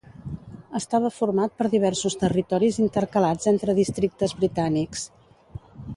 Estava format per diversos territoris intercalats entre districtes britànics.